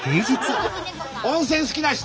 温泉好きな人？